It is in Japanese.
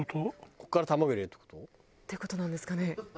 ここから卵入れるって事？って事なんですかね？